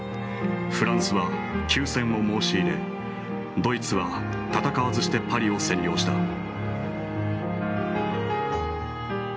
フランスは休戦を申し入れドイツは戦わずしてパリを占領した。